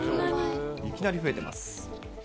いきなり増えてます。